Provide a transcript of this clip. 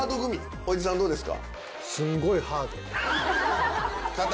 おじさんどうですか？